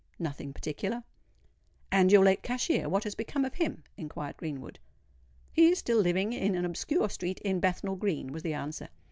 "Nothing particular." "And your late cashier—what has become of him?" inquired Greenwood. "He is still living in an obscure street in Bethnal Green," was the answer.